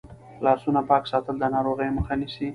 لاسونه پاک ساتل د ناروغیو مخه نیسي.